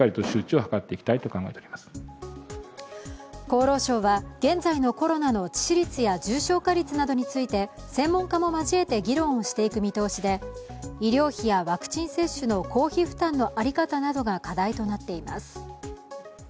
厚労省は現在のコロナの致死率や重症化率などについて専門家も交えて議論していく見通しで医療費やワクチン接種の公費負担のあり方などが課題となっています。